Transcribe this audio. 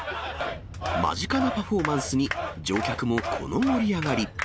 間近なパフォーマンスに、乗客もこの盛り上がり。